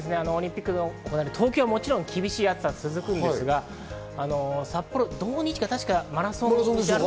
東京はもちろん厳しい暑さ続くんですが、札幌、土日が確かマラソン。